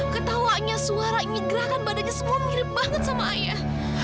ketawanya suara ngegerahkan badannya semua mirip banget sama ayah